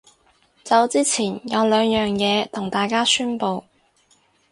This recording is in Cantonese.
走之前有兩樣嘢同大家宣佈